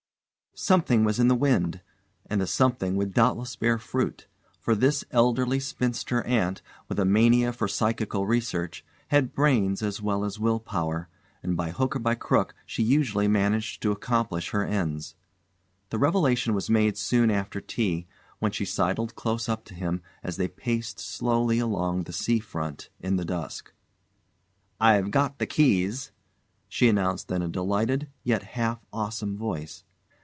Something was in the wind, and the "something" would doubtless bear fruit; for this elderly spinster aunt, with a mania for psychical research, had brains as well as will power, and by hook or by crook she usually managed to accomplish her ends. The revelation was made soon after tea, when she sidled close up to him as they paced slowly along the sea front in the dusk. "I've got the keys," she announced in a delighted, yet half awesome voice.